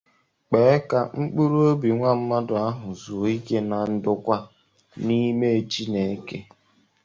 kpee ka mkpụrụobi nwa amadi ahụ zuo ike na ndokwa n'ime Chineke